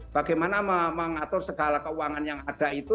bagaimana mengatur segala keuangan yang ada itu